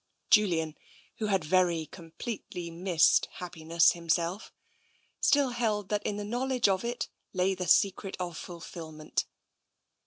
Julian, who had very completely missed happiness him self, still held that in the knowledge of it lay the secret of fulfilment.